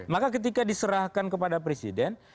maka ketika diserahkan kepada presiden